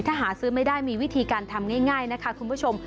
ถ้าหาซื้อไม่ได้มีวิธีการทำง่ายนะคะคุณผู้ชม